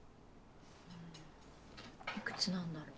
いくつなんだろ？